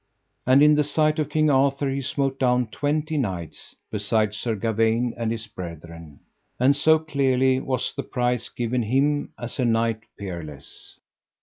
And in the sight of King Arthur he smote down twenty knights, beside Sir Gawaine and his brethren. And so clearly was the prize given him as a knight peerless.